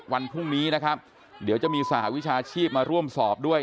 วันพรุ่งนี้นะครับเดี๋ยวจะมีสหวิชาชีพมาร่วมสอบด้วย